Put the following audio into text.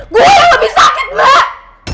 boleh yang lebih sakit mbak